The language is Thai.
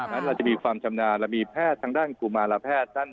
นั้นเราจะมีความชำนาญเรามีแพทย์ทางด้านกุมารแพทย์